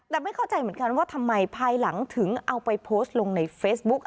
แต่ไม่เข้าใจเหมือนกันว่าทำไมภายหลังถึงเอาไปโพสต์ลงในเฟซบุ๊ก